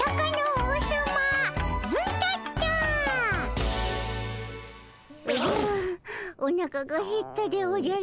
おじゃおなかがへったでおじゃる。